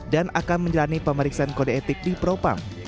dan akan menjalani pemeriksaan kode etik di propang